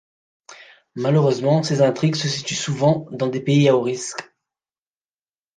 Malheureusement, ses intrigues se situent souvent dans des pays à hauts risques.